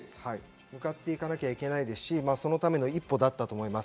向かっていかなきゃいけないですし、そのための一歩だったと思います